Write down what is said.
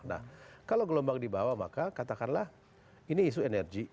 nah kalau gelombang di bawah maka katakanlah ini isu energi